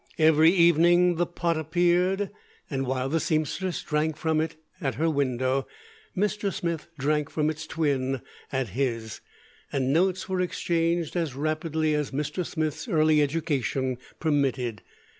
Every evening the pot appeared, and while the seamstress drank from it at her window, Mr. Smith drank from its twin at his; and notes were exchanged as rapidly as Mr. Smith's early education permitted.